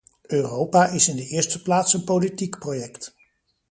Europa is in de eerste plaats een politiek project.